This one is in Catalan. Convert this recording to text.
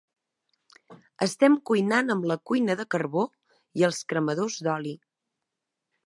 Estem cuinant amb la cuina de carbó i els cremadors d'oli.